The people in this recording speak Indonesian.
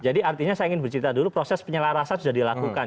jadi artinya saya ingin bercerita dulu proses penyelarasan sudah dilakukan